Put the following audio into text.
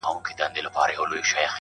زه او ته به آخر دواړه جنتیان یو -